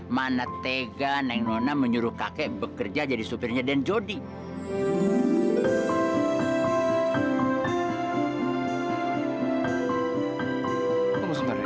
mana tegan yang nona menyuruh kakek bekerja jadi supirnya dan jody